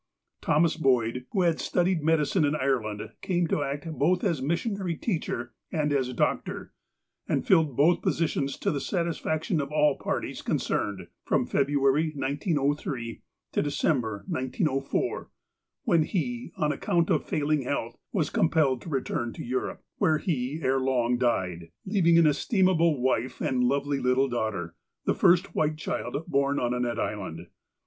Thomas Boyd, who had studied medicine in Ireland, came to act both as missionary teacher, and as doctor, and filled both positions to the satisfaction of all parties concerned, from February, 1903, to December, 1904, when he, on account of failing health, was compelled to return to Europe, where he, ere long, died, leaving an estimable wife and a lovely little daughter, the first white child born on Annette Island.